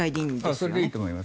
それでいいと思います。